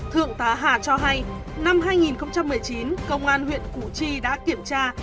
thượng tá hà cho hay năm hai nghìn một mươi chín công an huyện củ chi đã kiểm tra